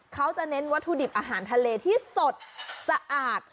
เขาจะเน้นวัตถุดิบอาหารทะเลที่สดสะอาด